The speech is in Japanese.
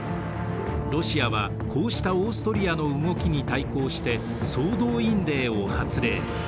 ロシアはこうしたオーストリアの動きに対抗して総動員令を発令。